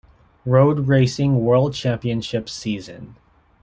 Road racing World Championship season.